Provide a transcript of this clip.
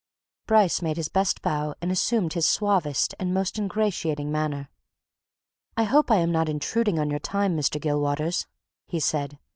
Bryce made his best bow and assumed his suavest and most ingratiating manner. "I hope I am not intruding on your time, Mr. Gilwaters?" he said.